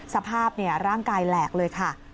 สภาพร่างกายแหลกเลยค่ะ